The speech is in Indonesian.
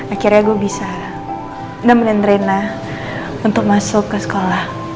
akhirnya gue bisa nemenin rena untuk masuk ke sekolah